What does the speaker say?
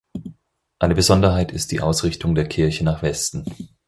Eine Besonderheit ist die Ausrichtung der Kirche nach Westen.